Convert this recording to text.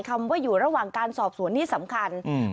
คำว่าอยู่ระหว่างการสอบสวนนี้สำคัญอืม